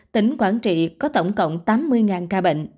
tỉnh quảng trị có tổng cộng tám mươi ca bệnh